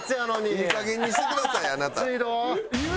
いいかげんにしてくださいあなた。